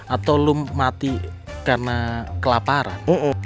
atau lu mati karena kelaparan